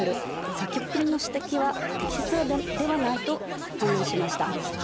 先送りの指摘は適切ではないと反論しました。